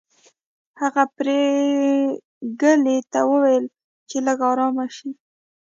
هغه پريګلې ته وویل چې لږه ارامه شي